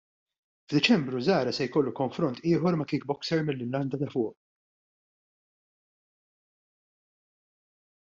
F'Diċembru Zahra se jkollu konfront ieħor ma' kickboxer mill-Irlanda ta' Fuq.